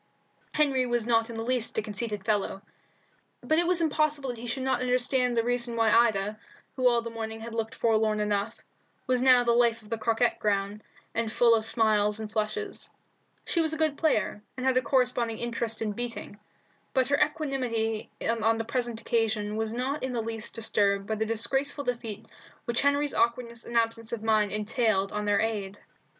Henry was not in the least a conceited fellow, but it was impossible that he should not understand the reason why Ida, who all the morning had looked forlorn enough, was now the life of the croquet ground, and full of smiles and flushes. She was a good player, and had a corresponding interest in beating, but her equanimity on the present occasion was not in the least disturbed by the disgraceful defeat which Henry's awkwardness and absence of mind entailed on their aide.